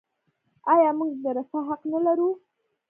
آیا موږ د رفاه حق نلرو؟